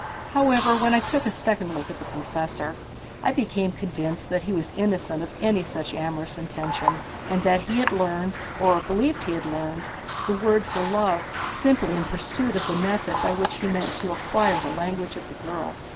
However, when I took a second look at the professor, I became convinced that he was innocent of any such amorous intention, and that he had learned, or believed he had learned, the word for "love" simply in pursuance of the method by which he meant to acquire the language of the girl.